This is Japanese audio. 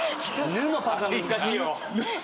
「ぬ」のパスは難しいよ。